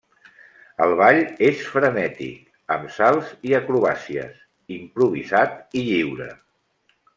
El ball és frenètic, amb salts i acrobàcies, improvisat i lliure.